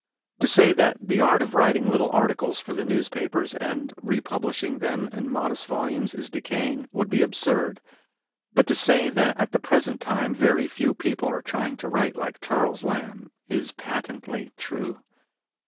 To say that the art of writing little articles for the newspapers and republishing them in modest volumes is decaying would be absurd ; but to say that at the present time very few people are trying to write like Charles Lamb is patently true.